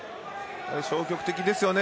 消極的ですよね